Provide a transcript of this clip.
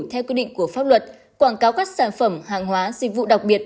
theo quy định của pháp luật quảng cáo các sản phẩm hàng hóa dịch vụ đặc biệt